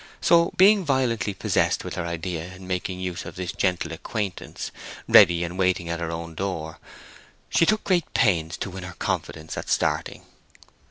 So, being violently possessed with her idea of making use of this gentle acquaintance, ready and waiting at her own door, she took great pains to win her confidence at starting.